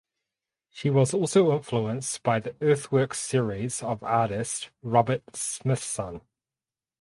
She was also influenced by the earthworks series of artist Robert Smithson.